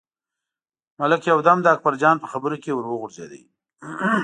ملک یو دم د اکبرجان په خبرو کې ور وغورځېد.